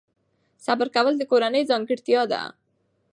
صبر کول د کورنۍ ځانګړتیا ده.